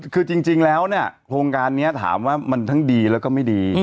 คือจริงแล้วเนี่ยโครงการนี้ถามว่ามันทั้งดีแล้วก็ไม่ดี